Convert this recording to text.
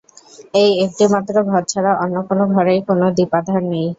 এই একটিমাত্র ঘর ছাড়া অন্য কোনো ঘরেই কোনো দীপাধার নেই।